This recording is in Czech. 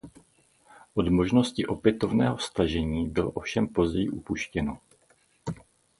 Od možnosti opětovného stažení bylo ovšem později upuštěno.